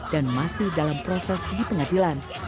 dan masih dalam proses di pengadilan